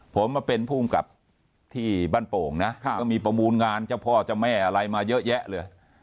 ผมมาเป็นภูมิกับที่บ้านโป่งนะก็มีประมูลงานเจ้าพ่อเจ้าแม่อะไรมาเยอะแยะเลย